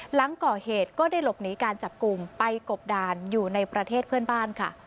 หลังก่อเหตุก็ได้หลบหนีการจับกลุ่มไปกบดานอยู่ในประเทศเพื่อนบ้านค่ะ